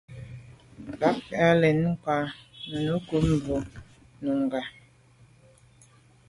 Bə̀k à' lɛ̌n kwāh nʉ́nʉ̄ cúp bú Nùngà.